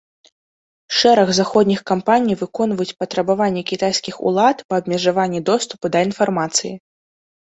Шэраг заходніх кампаній выконваюць патрабаванні кітайскіх улад па абмежаванні доступу да інфармацыі.